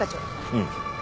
うん。